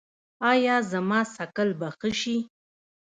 ایا زما څکل به ښه شي؟